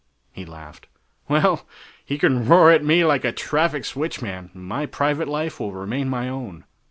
He laughed. "Well, he can roar at me like a traffic switch man and my private life will remain my own."